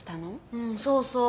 うんそうそう。